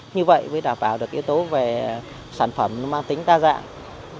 như vậy mới đảm bảo được yếu tố về sản phẩm mang tính đa dạng